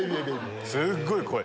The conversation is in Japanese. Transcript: すっごい濃い！